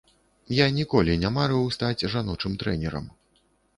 Я ніколі не марыў стаць жаночым трэнерам.